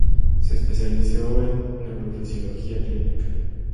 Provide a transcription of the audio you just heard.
Se especializó en Neurofisiología clínica.